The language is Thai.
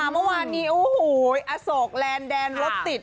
เมื่อวานนี้โอ้โหอโศกแลนด์แดนรถติด